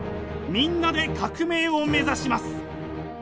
みんなで革命を目指します！